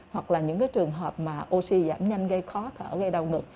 hoặc là những trường hợp mà oxy giảm nhanh gây khó thở gây đau ngực